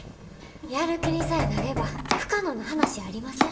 やる気にさえなれば不可能な話やありません。